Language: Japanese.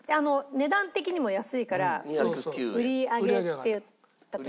値段的にも安いから売り上げっていった時にね。